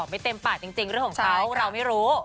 ไม่น่าจะรู้เรื่องเลย